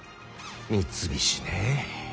三菱ねぇ。